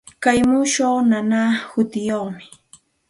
Kay muusuqa mana hutiyuqmi.